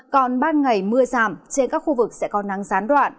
còn ban ngày mưa giảm trên các khu vực sẽ có nắng gián đoạn